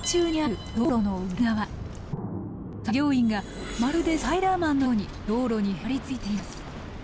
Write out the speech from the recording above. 作業員がまるでスパイダーマンのように道路にへばりついています。